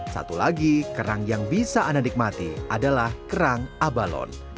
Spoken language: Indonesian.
satu lagi kerang yang bisa anda nikmati adalah kerang abalon